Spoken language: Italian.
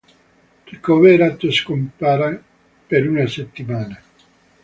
Ricoverato, scompare per una settimana.